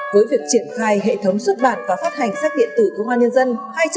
với việc triển khai hệ thống xuất bản và phát hành sách điện tử công an nhân dân